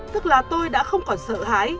tức là tôi đã không còn sợ hái